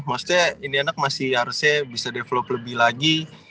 maksudnya ini anak masih harusnya bisa develop lebih lagi